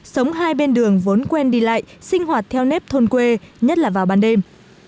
sống hai bên đường vốn quen đi lại sinh hoạt theo nếp thôn quê nhất là vào ban đêm